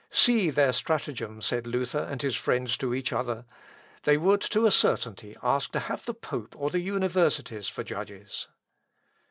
"See their stratagem," said Luther and his friends to each other. "They would to a certainty ask to have the pope or the universities for judges."